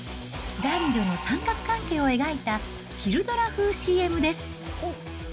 男女の三角関係を描いた昼ドラ風ＣＭです。